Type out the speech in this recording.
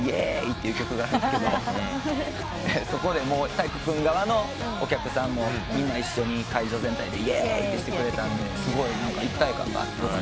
そこで体育君側のお客さんもみんな一緒に会場全体で「イェイ」ってしてくれたんですごい一体感があって。